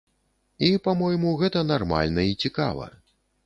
І, па-мойму, гэта нармальна і цікава.